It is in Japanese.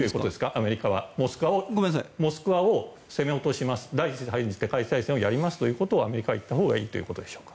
アメリカはモスクワを攻め落とします第３次世界大戦をやりますということををアメリカは言ったほうがいいということでしょうか。